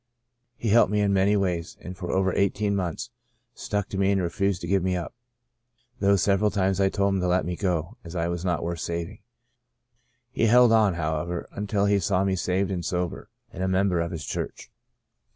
He helped me in many ways and for over eighteen months stuck to me and refused to give me up, though several times I told him to let me go as I was not worth saving. He held on, however, until he saw me saved and sober, and a member of his church.